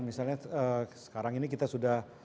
misalnya sekarang ini kita sudah